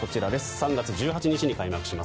３月１８日に開幕します